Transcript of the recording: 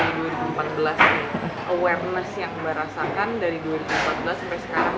awareness yang mbak rasakan dari dua ribu empat belas sampai sekarang